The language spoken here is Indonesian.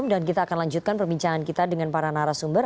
dan kita akan lanjutkan perbincangan dengan para narasumber